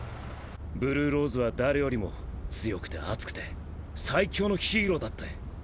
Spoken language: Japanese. ブルーローズは誰よりも強くて熱くて最強のヒーローだって！